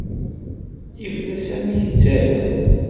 Yebda Sami yettarra-d.